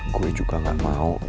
gue juga gak mau